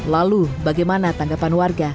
lalu bagaimana tanggapan warga